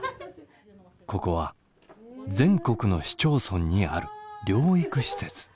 ここは全国の市町村にある療育施設。